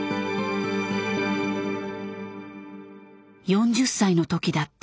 ４０歳の時だった。